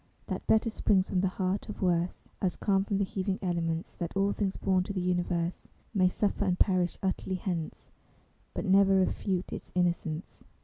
That Better springs from the heart of Worse, As calm from the heaving elements; That all things born to the Universe May suffer and perish utterly hence, But never refute its Innocence.